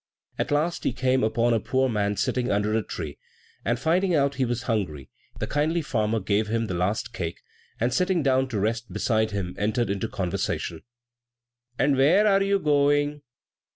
At last, he came upon a poor man sitting under a tree, and finding out he was hungry, the kindly farmer gave him his last cake, and sitting down to rest beside him, entered into conversation. "And where are you going?"